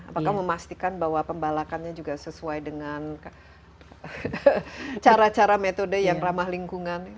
apakah memastikan bahwa pembalakannya juga sesuai dengan cara cara metode yang ramah lingkungan